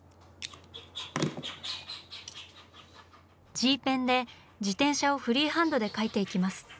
Ｇペンで自転車をフリーハンドで描いていきます。